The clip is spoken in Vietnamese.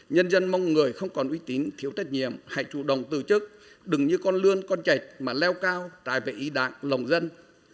nhân dân mong người không còn uy tín thiếu trách nhiệm hãy chủ động từ chức đừng như con lươn con chạch mà leo cao trài về ý đảng lòng dân